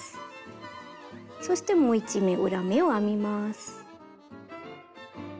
そしてもう１目裏目を編みます。